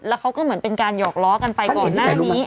แล้วเขาก็เหมือนเป็นการหอกล้อกันไปก่อนหน้านี้